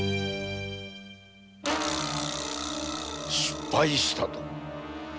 失敗したと！？